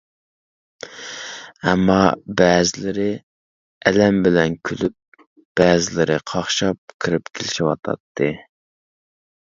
ئەمما، بەزىلىرى ئەلەم بىلەن كۈلۈپ، بەزىلىرى قاقشاپ كىرىپ كېلىشىۋاتاتتى.